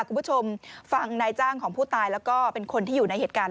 คุณผู้ชมฟังนายจ้างของผู้ตายแล้วก็เป็นคนที่อยู่ในเหตุการณ์